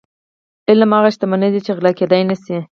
علم هغه شتمني ده چې غلا کیدی نشي.